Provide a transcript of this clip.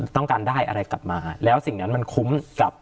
ต้องการได้อะไรกลับมาแล้วสิ่งนั้นมันคุ้มกับ